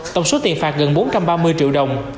tổng số tiền phạt gần bốn trăm ba mươi triệu đồng